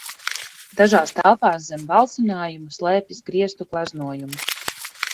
Dažās telpās zem balsinājuma slēpjas griestu gleznojumi.